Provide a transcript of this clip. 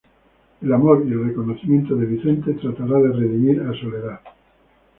El amor y el reconocimiento de Vicente, tratará de redimir a Soledad.